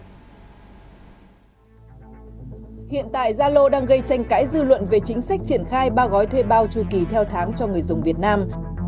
hiện tại zalo đang gây tranh cãi dư luận về chính sách triển khai ba gói thuê bao trù kỳ theo tháng cho người dùng việt nam